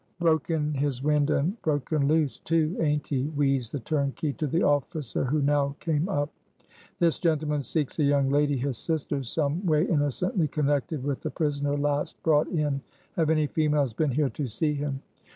"Broken his wind, and broken loose, too, aint he?" wheezed the turnkey to the officer who now came up. "This gentleman seeks a young lady, his sister, someway innocently connected with the prisoner last brought in. Have any females been here to see him?"